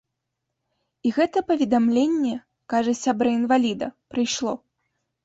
І гэтае паведамленне, кажа сябра інваліда, прыйшло.